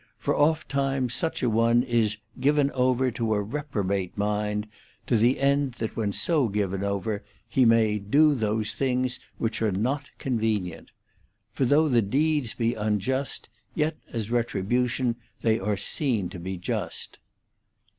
For oft times such an one is ' given over to a reprobate mind ', to the end that 1 CeMtudo, see above, p. 97, n. 1. EPISTOLA VII 105 when so given over he may ' do those things which are not convenient'. For though the deeds be unjust, yet as retribution they are seen to be just.